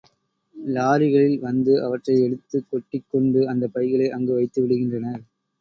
லாரிகளில் வந்து அவற்றை எடுத்துக் கொட்டிக்கொண்டு அந்தப் பைகளை அங்கு வைத்துவிடுகின்றனர்.